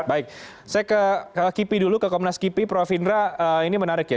baik saya ke kipi dulu ke komnas kipi prof indra ini menarik ya